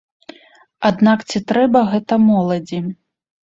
Аднак ці трэба гэта моладзі?